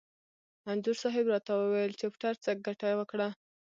انځور صاحب را ته وویل: چپټر څه ګټه وکړه؟